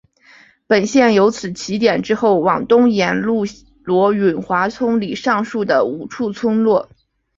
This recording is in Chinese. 本线由此起点之后往东沿路连络永华村里上述的五处村落。